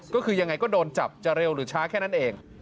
ก็คือยังไงก็โดนจับจะเร็วหรือช้าแค่นั้นเอง